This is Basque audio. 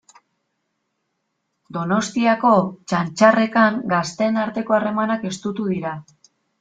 Donostiako Txantxarrekan gazteen arteko harremanak estutu dira.